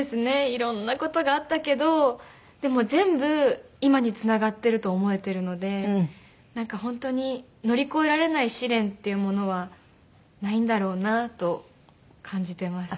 いろんな事があったけどでも全部今につながってると思えてるので本当に乗り越えられない試練っていうものはないんだろうなと感じてます。